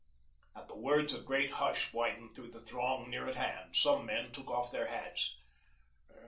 At the words a great hush widened throughout the throng near at hand. Some men took off their hats.